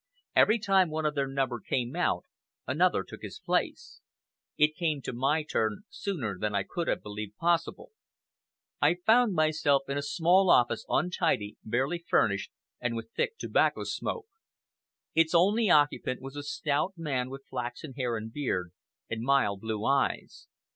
Every time one of their number came out, another took his place. It came to my turn sooner than I could have believed possible. I found myself in a small office, untidy, barely furnished, and thick with tobacco smoke. Its only occupant was a stout man, with flaxen hair and beard, and mild blue eyes.